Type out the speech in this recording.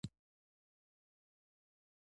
له وریځو د باران جوړه لړۍ وه